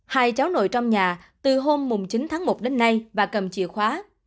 hai cháu nội trong nhà từ hôm chín tháng một đến nay và cầm chìa khóa